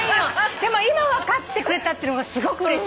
でも今分かってくれたのがすごくうれしい。